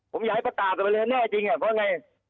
ผมอยากให้ประตาดไปเลยแน่จริงเพราะว่าไง